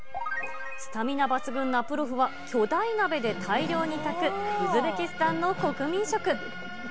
スタミナ抜群なプロフは巨大鍋で大量に炊く、ウズベキスタンの国民食。